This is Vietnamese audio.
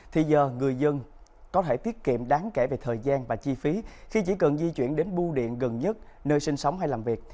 thì giờ người dân có thể tiết kiệm đáng kể về thời gian và chi phí khi chỉ cần di chuyển đến bu điện gần nhất nơi sinh sống hay làm việc